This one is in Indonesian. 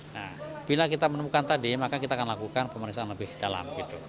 nah bila kita menemukan tadi maka kita akan lakukan pemeriksaan lebih dalam